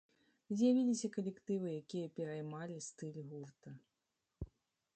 З'явіліся калектывы, якія пераймалі стыль гурта.